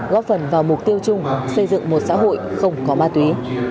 góp phần vào mục tiêu chung xây dựng một xã hội không có ma túy